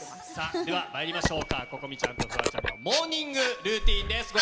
では、まいりましょうか、心々咲ちゃんとフワちゃんのモーニングルーティーンです。